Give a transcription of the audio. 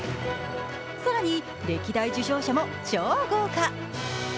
更に、歴代受賞者も超豪華。